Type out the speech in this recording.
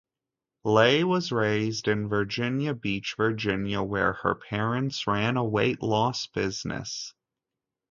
Leigh was raised in Virginia Beach, Virginia, where her parents ran a weight-loss business.